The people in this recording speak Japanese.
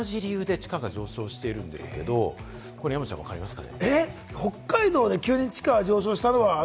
これは実は同じ理由で地価が上昇しているんですけれど、山ちゃん分かりますか？